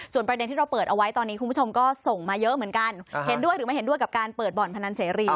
ประเด็นที่เราเปิดเอาไว้ตอนนี้คุณผู้ชมก็ส่งมาเยอะเหมือนกันเห็นด้วยหรือไม่เห็นด้วยกับการเปิดบ่อนพนันเสรี